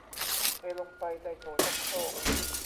เทลงไปในโถชักโครก